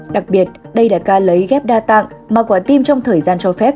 đặc biệt đây là ca lấy ghép đa tặng mà quản tim trong thời gian cho phép